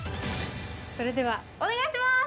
それではお願いします！